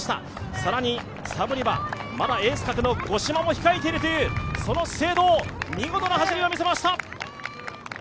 更にサブにはエース格も控えているという資生堂、見事な走りを見せました。